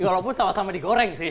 walaupun sama sama digoreng sih